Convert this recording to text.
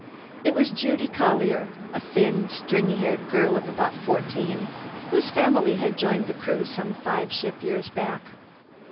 It was Judy Collier, a thin, stringy haired girl of about fourteen whose family had joined the Crew some five ship years back.